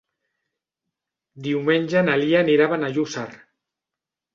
Diumenge na Lia anirà a Benejússer.